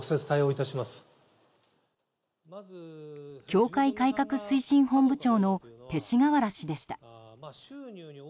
教会改革推進本部長の勅使河原氏でした。